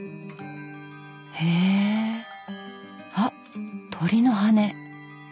へえあっ鳥の羽根。